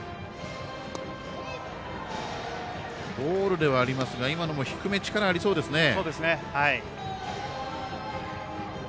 ボールではありますが今のも低め、力ありますね。